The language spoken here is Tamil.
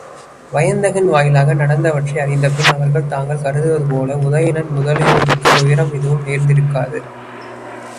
வயந்தகன் வாயிலாக நடந்தவற்றை அறிந்தபின் அவர்கள் தாங்கள் கருதுவதுபோல உதயணன் முதலியோருக்குத் துயரம் எதுவும் நேர்ந்திரக்காது.